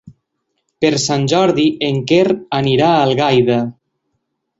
Per Sant Jordi en Quer anirà a Algaida.